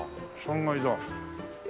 ３階だ。